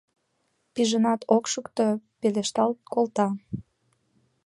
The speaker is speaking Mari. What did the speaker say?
Шижынат ок шукто, пелештал колта: